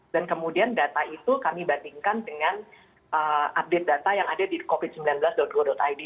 kemudian data itu kami bandingkan dengan update data yang ada di covid sembilan belas go id